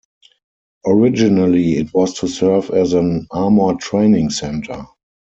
Originally it was to serve as an armor training center.